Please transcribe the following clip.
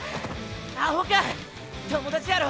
アホッか友達やろ。